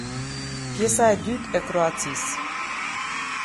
Pjesa e dytë e Kroacisë.